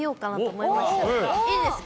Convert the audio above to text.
いいですか？